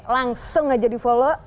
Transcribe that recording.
langsung aja di follow